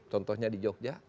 contohnya di jogja